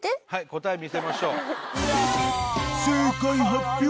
答え見せましょう。